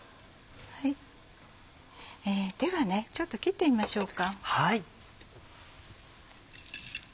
ではちょっと切ってみましょうか。